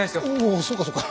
おそうかそうか。